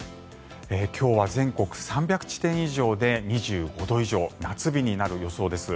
今日は全国３００地点以上で２５度以上夏日になる予想です。